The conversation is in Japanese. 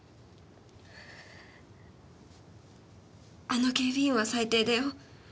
あの警備員は最低だよ。